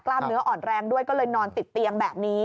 เนื้ออ่อนแรงด้วยก็เลยนอนติดเตียงแบบนี้